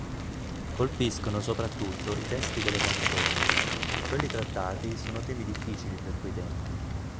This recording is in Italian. Colpiscono soprattutto i testi delle canzoni: quelli trattati sono temi "difficili" per quei tempi.